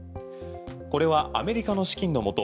これはアメリカの資金のもと